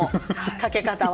かけ方は。